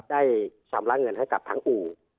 ได้ชำระเงินให้กับทางอู่